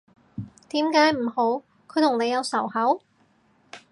點解唔好，佢同你有仇口？